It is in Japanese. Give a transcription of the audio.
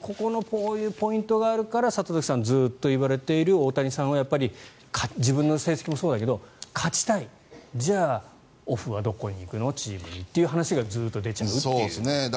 ここのこういうポイントがあるから里崎さん、ずっと言われている大谷さんは自分の成績もそうだけど勝ちたいじゃあ、オフはどこのチームに行くのという話がずっと出ちゃうという。